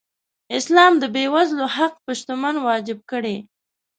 اسلام د بېوزلو حق په شتمن واجب کړی.